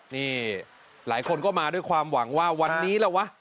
นี่หลายคนก็มาด้วยความหวังว่าวันนี้ล่ะวะ